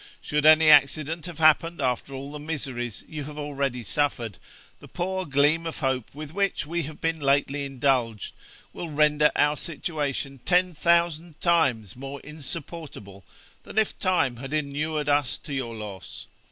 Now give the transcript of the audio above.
Should any accident have happened, after all the miseries you have already suffered, the poor gleam of hope with which we have been lately indulged, will render our situation ten thousand times more insupportable than if time had inured us to your loss.